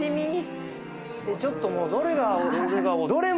ちょっともうどれが。